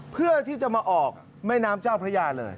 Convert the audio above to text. เพื่อที่จะมาออกแม่น้ำเจ้าพระยาเลย